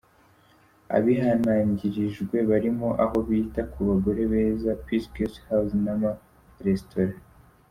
Abihanangirijwe barimo aho bita ku bagore beza, Peace Guest house n’amaresitora.